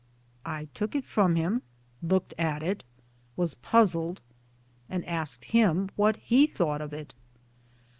" I took it from him, looked at it, was puzzled, and asked him what he thought of it.